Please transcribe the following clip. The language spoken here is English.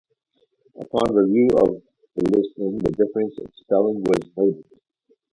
Upon review of the listing, the difference in spelling was noted.